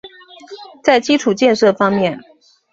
在基础建设方面